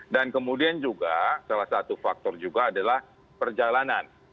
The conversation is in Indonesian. dan kemudian juga salah satu faktor juga adalah perjalanan